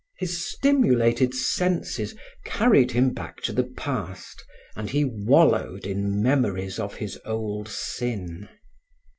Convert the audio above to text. His stimulated senses carried him back to the past and he wallowed in memories of his old sin.